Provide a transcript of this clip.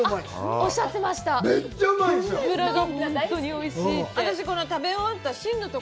おっしゃってました。